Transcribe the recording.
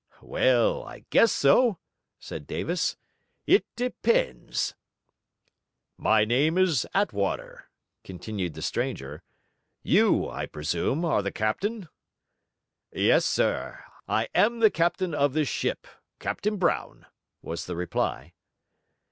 'Well, I guess so,' said Davis; 'it depends.' 'My name is Attwater,' continued the stranger. 'You, I presume, are the captain?' 'Yes, sir. I am the captain of this ship: Captain Brown,' was the reply.